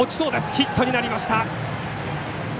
ヒットになりました。